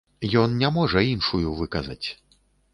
Ён не можа іншую выказаць.